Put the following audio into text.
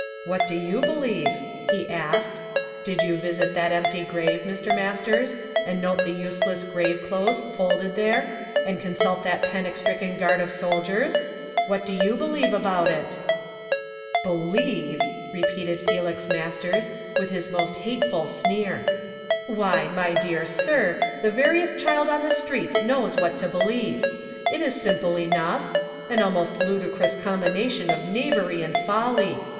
'^ What do you believe ?" he asked. "Did you visit that empty grave, Mr. Mastera, and note the useless grave clothes folded there, and consult that panic stricken guard of soldiers? What do you believe about it ?"THEREFORE WILL KOT WE FEAR." 347 *' Believe!" repeated Felix Masters, with his toost hateful sneer. " Why, my dear sir, the veriest child on the streets knows what to believe. It is simple enough. An almost ludicrous combination of knavery and folly.